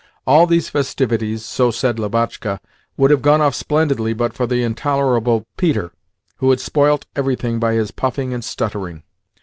All these festivities so said Lubotshka would have gone off splendidly but for the intolerable Peter, who had spoilt everything by his puffing and stuttering.